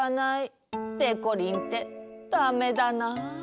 でこりんってダメだなあ。